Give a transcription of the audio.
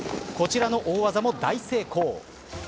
こちらの大技も大成功。